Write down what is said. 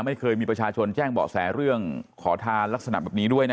ไม่เคยมีประชาชนแจ้งเบาะแสเรื่องขอทานลักษณะแบบนี้ด้วยนะ